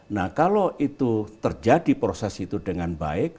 nah kalau itu terjadi proses itu dengan baik